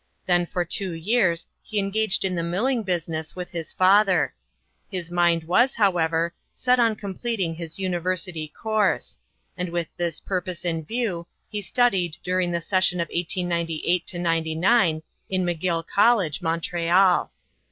Then for two years he engaged in the milling business with his father. His mind was, however, set on completing his university course; and with this purpose in view he studied during the session of 1898 99 in McGill College, Montreal.